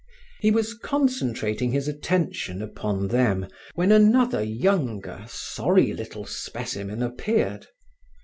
He was concentrating his attention upon them when another younger, sorry little specimen appeared.